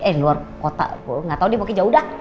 eh luar kota gak tau dia mungkin jauh udah